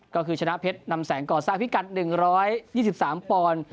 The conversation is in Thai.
ก็คือชนะเพชรนำแสงก่อสร้างพิกัด๑๒๓ปอนด์